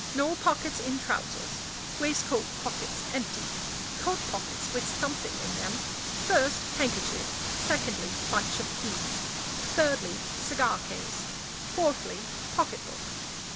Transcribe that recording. No pockets in trousers. Waistcoat pockets empty. Coat pockets with something in them. First, handkerchief; secondly, bunch of keys; thirdly, cigar case; fourthly, pocketbook.